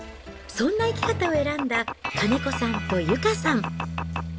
そんな生き方を選んだ金子さんと由佳さん。